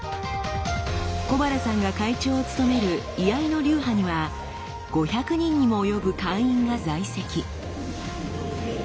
小原さんが会長を務める居合の流派には５００人にも及ぶ会員が在籍。